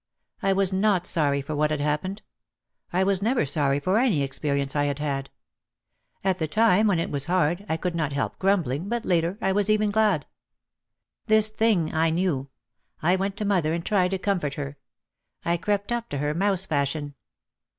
I was not sorry for what had happened. I was never sorry for any experience I had had. At the time when it was hard, I could not help grumbling but later I was even glad. This thing I knew ! I went to mother and tried to comfort her. I crept up to her mouse fashion.